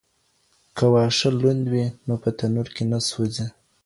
که واښه لوند وي نو په تنور کي نه سوځي.